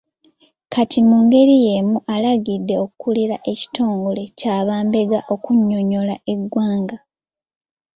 Kati mu ngeri y'emu, alagidde akulira ekitongole kya bambega okunnyonnyola eggwanga.